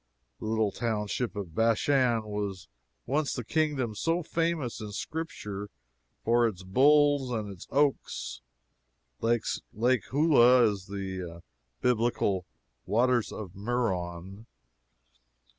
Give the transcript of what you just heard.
The little township of Bashan was once the kingdom so famous in Scripture for its bulls and its oaks. Lake Huleh is the Biblical "Waters of Merom."